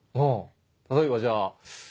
例えばじゃ。